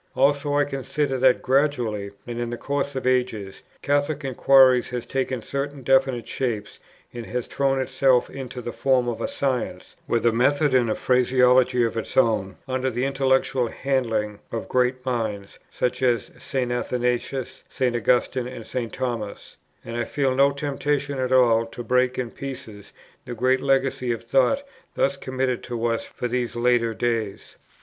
Also, I consider that, gradually and in the course of ages, Catholic inquiry has taken certain definite shapes, and has thrown itself into the form of a science, with a method and a phraseology of its own, under the intellectual handling of great minds, such as St. Athanasius, St. Augustine, and St. Thomas; and I feel no temptation at all to break in pieces the great legacy of thought thus committed to us for these latter days.